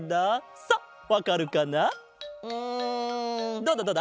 どうだどうだ？